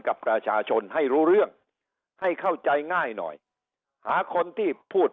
กับประชาชนให้รู้เรื่องให้เข้าใจง่ายหน่อยหาคนที่พูด